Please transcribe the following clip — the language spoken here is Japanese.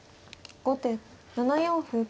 後手７四歩。